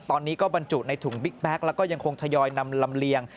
ตอนนี้ก็บรรจุในถุงบิ๊กแก๊กแล้วก็ยังคงทยอยนำลำเลียง